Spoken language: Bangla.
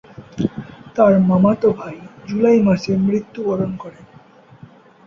তার মামাতো ভাই জুলাই মাসে মৃত্যুবরণ করে।